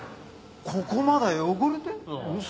ここまだ汚れてるぞ。